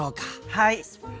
はい。